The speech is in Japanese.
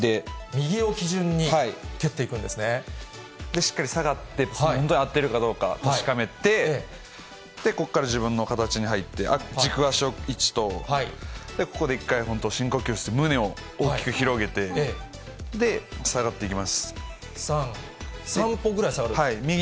右を基準に蹴っていくんですしっかり下がって、本当に合ってるかどうか確かめて、ここから自分の形に入って、軸足の位置と、ここで一回、本当、深呼吸して、胸を大きく広３歩ぐらい下がるんですか？